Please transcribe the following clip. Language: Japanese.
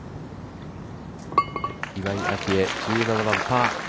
岩井明愛、１７番、パー。